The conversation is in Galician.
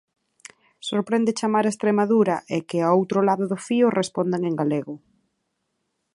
Sorprende chamar a Estremadura e que, ao outro lado do fío, respondan en galego.